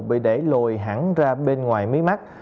bị để lồi hẳn ra bên ngoài mí mắt